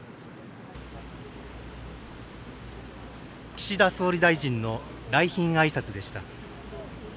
岸田総理大臣の来賓あいさつでした。